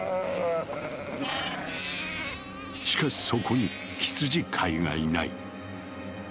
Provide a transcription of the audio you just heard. しかしそこに羊飼いがいない。